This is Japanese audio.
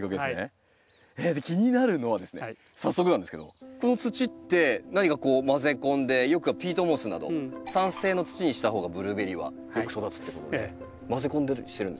気になるのはですね早速なんですけどこの土って何か混ぜ込んでよくピートモスなど酸性の土にしたほうがブルーベリーはよく育つってことで混ぜ込んだりはしてるんですか？